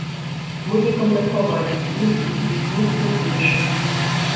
Мы не кантактавалі ні з ім, ні з кім іншым.